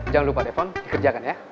jangan lupa telepon dikerjakan ya